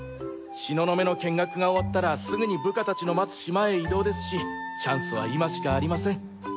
東雲の見学が終わったらすぐに部下たちの待つ島へ移動ですしチャンスは今しかありません。